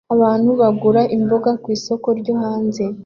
Abantu bagura imboga ku isoko ryo hanze